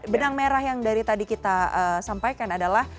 benang merah yang dari tadi kita sampaikan adalah